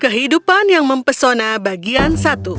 kehidupan yang mempesona bagian satu